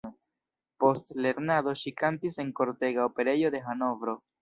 Post lernado ŝi kantis en kortega operejo de Hanovro.